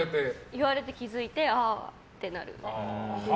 言われて気づいてああってなる。